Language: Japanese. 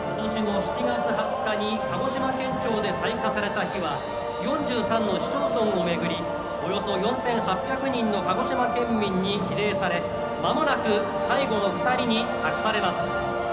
今年の７月２０日に鹿児島県庁で採火された火はおよそ４８００人の鹿児島県民にリレーされまもなく最後の２人に託されます。